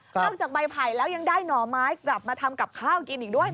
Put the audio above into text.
อกจากใบไผ่แล้วยังได้หน่อไม้กลับมาทำกับข้าวกินอีกด้วย